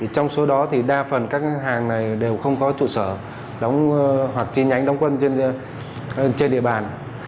trong số đó đa phần các ngân hàng này đều không có trụ sở hoặc chi nhánh đóng quân trên địa bàn